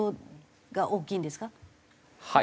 はい。